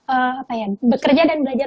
apa ya bekerja dan belajar